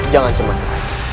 jangan cemas rai